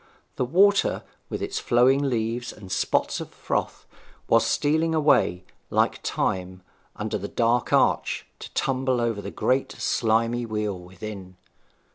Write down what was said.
The water, with its flowing leaves and spots of froth, was stealing away, like Time, under the dark arch, to tumble over the great slimy wheel within.